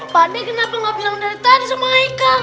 pak d kenapa gak bisa menderita sama haikal